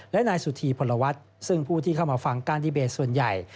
และนายสุธีพลวัฒน์ซึ่งผู้ที่เข้ามาฟังการดีเบตส่วนใหญ่